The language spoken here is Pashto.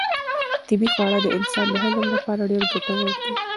طبیعي خواړه د انسان د هضم لپاره ډېر ګټور دي.